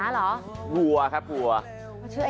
หมาเหรอ